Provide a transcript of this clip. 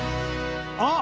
あっ！